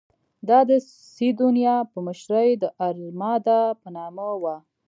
دا د سیدونیا په مشرۍ د ارمادا په نامه وه.